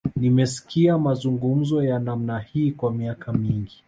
Nimesikia mazungumzo ya namna hii kwa miaka mingi